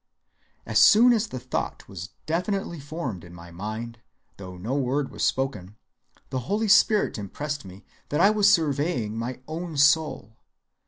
As soon as the thought was definitely formed in my mind, though no word was spoken, the Holy Spirit impressed me that I was surveying my own soul.